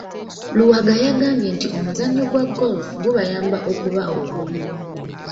Luwaga yagambye nti omuzannyo gwa golf gubayamba okuba obumu.